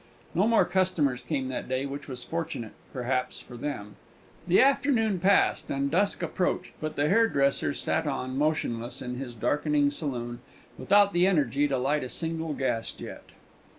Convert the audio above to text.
No more customers came that day, which was fortunate, perhaps, for them. The afternoon passed, and dusk approached, but the hairdresser sat on, motionless, in his darkening saloon, without the energy to light a single gas jet.